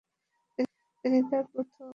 তিনি তার প্রথম দিওয়ান সম্পাদনা করেন।